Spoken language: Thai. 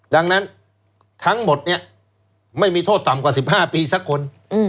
ดังนั้นทั้งหมดเนี่ยไม่มีโทษต่ำกว่า๑๕ปีสักคน